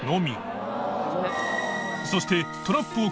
そして）